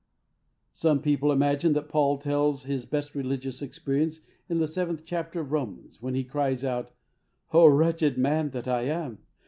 Some people imagine that Paul tells his best religious experience in the seventh chapter of Romans, when he cries out, " Oh, wretched man that I am